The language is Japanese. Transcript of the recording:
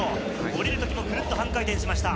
降りる時もクルっと半回転しました。